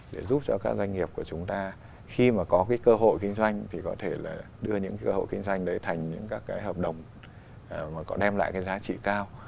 để giúp cho các doanh nghiệp của chúng ta khi mà có cái cơ hội kinh doanh thì có thể là đưa những cái hộ kinh doanh đấy thành những các cái hợp đồng mà có đem lại cái giá trị cao